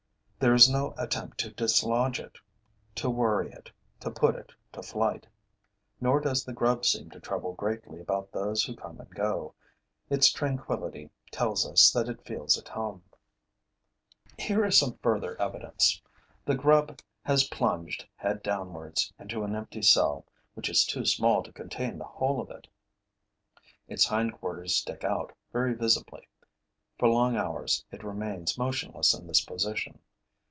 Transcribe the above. There is no attempt to dislodge it, to worry it, to put it to flight. Nor does the grub seem to trouble greatly about those who come and go. Its tranquillity, tells us that it feels at home. Here is some further evidence: the grub has plunged, head downwards, into an empty cell, which is too small to contain the whole of it. Its hindquarters stick out, very visibly. For long hours, it remains motionless in this position.